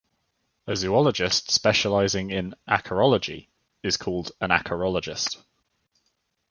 A zoologist specializing in acarology is called an acarologist.